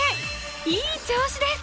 いい調子です！